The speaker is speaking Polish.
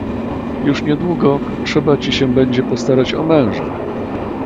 "Już nie długo trzeba ci się będzie postarać o męża!"